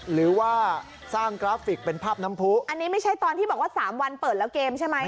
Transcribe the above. หรือว่าสร้างกราฟิกเป็นภาพน้ำผู้อันนี้ไม่ใช่ตอนที่บอกว่าสามวันเปิดแล้วเกมใช่ไหม